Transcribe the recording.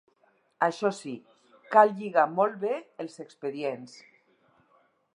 Això sí, cal lligar molt bé els expedients.